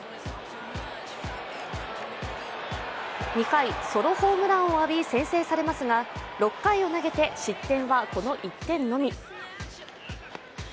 ２回、ソロホームランを浴び先制されますが６回を投げて、失点はこの１点のみ。